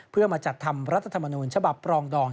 เพื่อมาจัดทำรัฐธรรมนูญฉบับปรองดอง